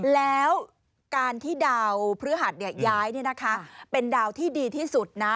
แล้วการที่ดาวพฤหัสย้ายเป็นดาวที่ดีที่สุดนะ